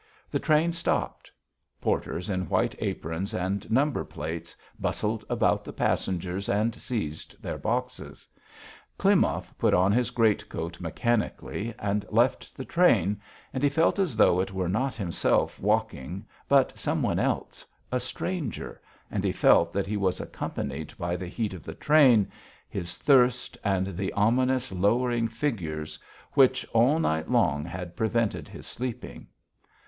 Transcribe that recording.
The train stopped. Porters in white aprons and number plates bustled about the passengers and seized their boxes. Klimov put on his greatcoat mechanically and left the train, and he felt as though it were not himself walking, but some one else, a stranger, and he felt that he was accompanied by the heat of the train, his thirst, and the ominous, lowering figures which all night long had prevented his sleeping.